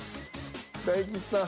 大吉さん